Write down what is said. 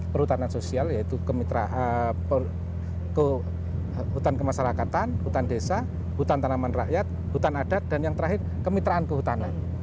perhutanan sosial yaitu hutan kemasyarakatan hutan desa hutan tanaman rakyat hutan adat dan yang terakhir kemitraan kehutanan